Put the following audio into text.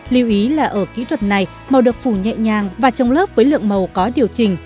lưu ý là ở kỹ thuật này màu được phủ nhẹ nhàng và trồng lớp với lượng màu có điều chỉnh